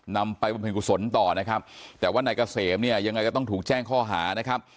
ไปบำเพ็ญกุศลต่อนะครับแต่ว่านายเกษมเนี่ยยังไงก็ต้องถูกแจ้งข้อหานะครับ